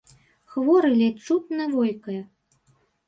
Хворы ледзь чутна войкае.